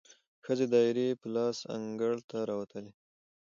ښځې دایرې په لاس انګړ ته راووتلې،